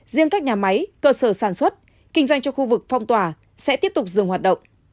riêng các nhà máy cơ sở sản xuất kinh doanh cho khu vực phong tỏa sẽ tiếp tục dừng hoạt động